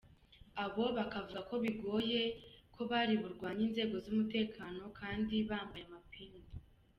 Abo bakavuga ko bigoye ko bariburwanye inzego z’umutekano kandi bari bambaye amapingu.